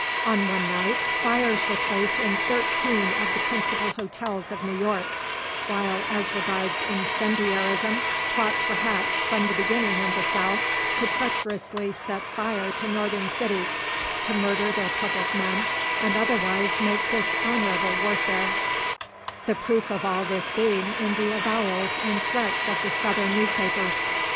On one night, fires were placed in thirteen of the principal hotels of New York, while, as regards incendiarism, plots were hatched from the beginning in the South to treacherously set fire to Northern cities, to murder their public men, and otherwise make dishonourable warfare, the proof of all this being in the avowals and threats of the Southern newspapers.